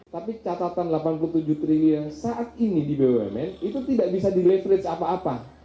tapi catatan rp delapan puluh tujuh triliun saat ini di bumn itu tidak bisa di leverage apa apa